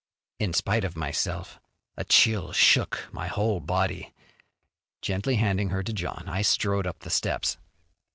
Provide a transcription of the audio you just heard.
In spite of myself a chill shook my whole body. Gently handing her to John, I strode up the steps.